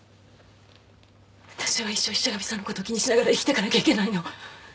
私は一生石神さんのこと気にしながら生きてかなきゃいけないの？